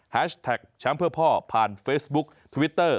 แท็กแชมป์เพื่อพ่อผ่านเฟซบุ๊คทวิตเตอร์